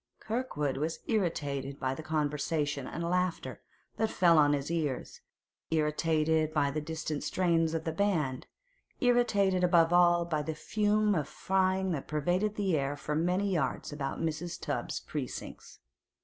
Kirkwood was irritated by the conversation and laughter that fell on his ears, irritated by the distant strains of the band, irritated above all by the fume of frying that pervaded the air for many yards about Mrs. Tubbs's precincts.